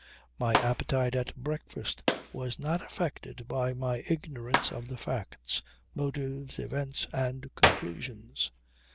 My appetite at breakfast was not affected by my ignorance of the facts, motives, events and conclusions.